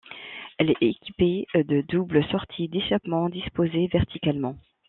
Elle est équipée de doubles sorties d'échappement disposées verticalement.